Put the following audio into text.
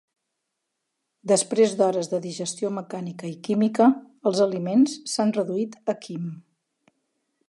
Després d'hores de digestió mecànica i química, els aliments s'han reduït a quim.